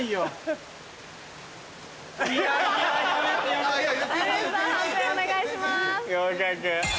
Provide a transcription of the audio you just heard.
判定お願いします。